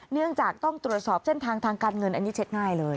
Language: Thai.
เนื่องจากต้องตรวจสอบเส้นทางทางการเงินอันนี้เช็คง่ายเลย